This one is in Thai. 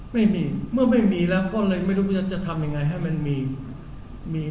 ไม่มีเมื่อไม่มีแล้วก็เลยไม่รู้จะทำยังไงให้มันมีมี